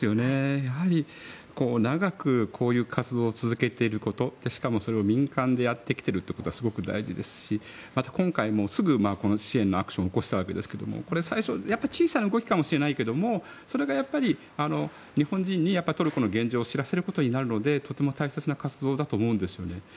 やはり、長くこういう活動を続けていることしかもそれを民間でやってきているということはすごく大事ですしまた今回もすぐこの支援のアクションを起こしたわけですが、これ最初小さな動きかもしれないけれどもそれが日本人にトルコの現状を知らせることになるのでとても大切な活動だと思うんですね。